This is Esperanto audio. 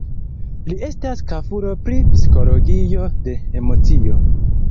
Li estas fakulo pri psikologio de emocio.